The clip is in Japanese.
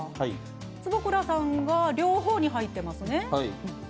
坪倉さんが両方に入っていますね。